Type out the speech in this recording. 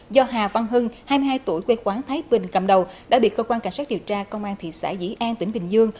do hà văn hưng hai mươi hai tuổi quê quán thái bình cầm đầu đã bị cơ quan cảnh sát điều tra công an thị xã dĩ an tỉnh bình dương